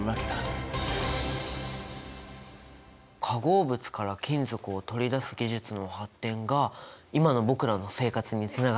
化合物から金属を取り出す技術の発展が今の僕らの生活につながってるんだね。